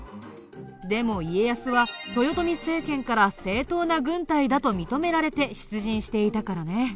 でも家康は豊臣政権から正統な軍隊だと認められて出陣していたからね。